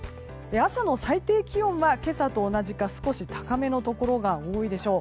朝の最低気温は今朝と同じか少し高めのところが多いでしょう。